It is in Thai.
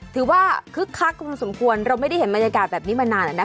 ถือว่าคึกคลักคุณสมควรเราไม่ได้เห็นบรรยากาศแบบนี้มานานแล้วนะคะ